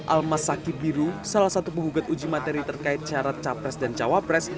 almas saki biru salah satu penggugat uji materi terkait syarat capres dan cawapres